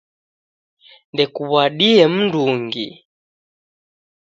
Ndukuw'adie mndungi